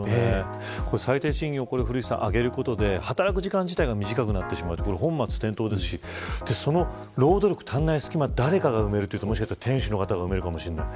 最低賃金を古市さん上げることで働く時間自体が短くなってしまうと本末転倒ですし労働力が足りない隙間を誰が埋めるかといったら店主の方が埋めるかもしれない。